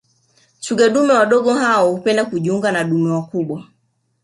Twiga dume wadogo hao hupenda kujiunga na dume wakubwa